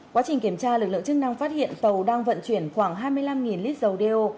quá trình kiểm tra lực lượng chức năng phát hiện tàu đang vận chuyển khoảng hai mươi năm lít dầu đeo